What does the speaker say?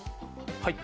はい。